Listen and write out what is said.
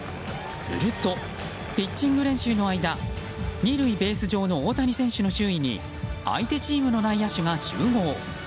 すると、ピッチング練習の間２塁ベース上の大谷選手の周囲に相手チームの内野手が集合。